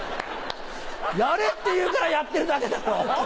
やれって言うからやってるだけだろ。